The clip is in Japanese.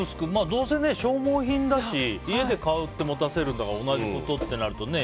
どうせ消耗品だし家で買って持たせるんだから同じこととなると。